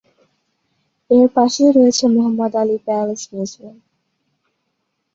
এর পাশেই রয়েছে মোহাম্মদ আলী প্যালেস মিউজিয়াম।